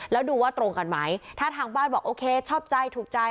แล้วดูว่าตรงกันไหมถ้าทางบ้านบอกโอเคชอบใจถูกใจ